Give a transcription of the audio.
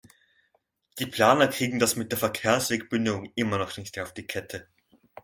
Die Planer kriegen das mit der Verkehrswegebündelung immer noch nicht auf die Kette.